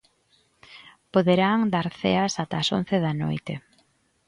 Poderán dar ceas ata as once da noite.